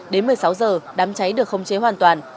đến một mươi sáu h đám cháy được khống chế hoàn toàn